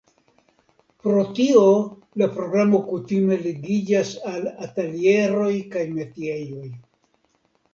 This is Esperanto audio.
Pro tio la programo kutime ligiĝas al atelieroj kaj metiejoj.